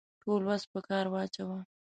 ټول وس په کار واچاوه.